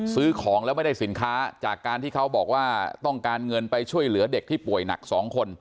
ซื้อของแล้วไม่ได้สินค้าจากการที่เขาบอกว่าต้องการเงินไปช่วยเหลือเด็กที่ป่วยหนัก๒คน